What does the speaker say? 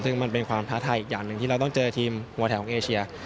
ซึ่งมันเป็นความท้าทายอีกอย่างหนึ่งที่เราต้องเจอทีมหัวแถวของเอเชีย